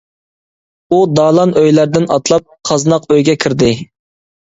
ئۇ دالان ئۆيلەردىن ئاتلاپ، قازناق ئۆيگە كىردى.